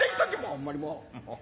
ほんまにもう。